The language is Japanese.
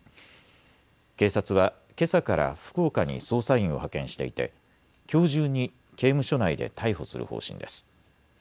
警察はけさから福岡に捜査員を派遣していてきょう中に刑務所内で逮捕する方針です。